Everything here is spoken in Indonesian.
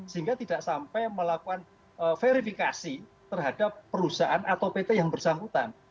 sehingga tidak sampai melakukan verifikasi terhadap perusahaan atau pt yang bersangkutan